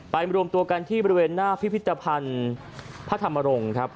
รวมตัวกันที่บริเวณหน้าพิพิธภัณฑ์พระธรรมรงค์ครับ